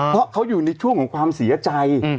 เพราะเขาอยู่ในช่วงของความเสียใจ